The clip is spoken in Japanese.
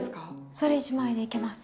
それ１枚でいけます。